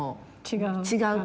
違う？